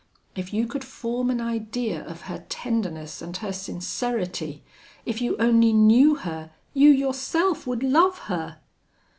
If you could form an idea of her tenderness and her sincerity if you only knew her, you yourself would love her!'